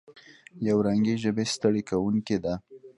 یو رنګي ژبه ستړې کوونکې ده.